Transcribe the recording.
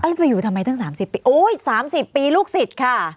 แล้วไปอยู่ทำไมตั้ง๓๐ปีโอ๊ย๓๐ปีลูกศิษย์ค่ะ